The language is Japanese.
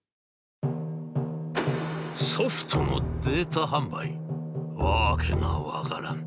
「ソフトのデータ販売？訳が分からん」。